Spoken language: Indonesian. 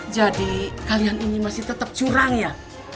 jadi kalian ini masih tetap curang ya